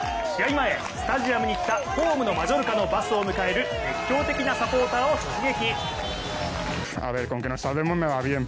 前、スタジアムに来たホームのマジョルカのバスを迎える熱狂的なサポーターを直撃。